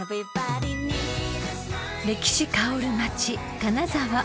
［歴史薫る町金沢］